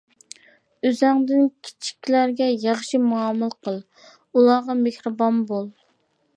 ئۆزۈڭدىن كىچىكلەرگە ياخشى مۇئامىلە قىل، ئۇلارغا مېھرىبان بول.